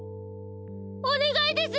おねがいです！